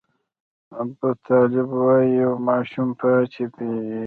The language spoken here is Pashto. ابوطالب وايي یو ماشوم پاتې دی.